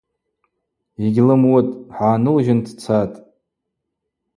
Йгьлымуытӏ, хӏгӏанылжьын дцатӏ.